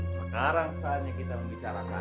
sekarang saatnya kita membicarakan